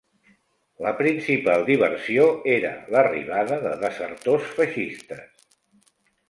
La principal diversió era l'arribada de desertors feixistes